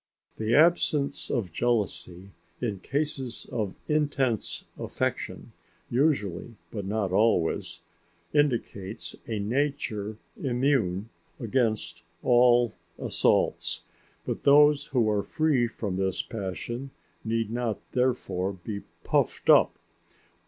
The absence of jealousy in cases of intense affection usually, but not always, indicates a nature immune against all assaults. But those who are free from this passion need not therefore be puffed up.